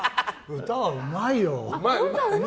歌はうまいよ。